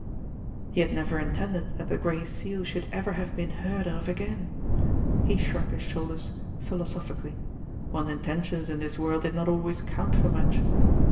He had never intended that the Gray Seal should ever have been heard of again. He shrugged his shoulders philosophically. One's intentions in this world did not always count for much!